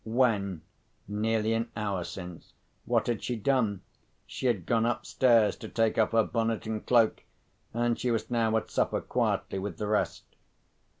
When? Nearly an hour since. What had she done? She had gone upstairs to take off her bonnet and cloak—and she was now at supper quietly with the rest.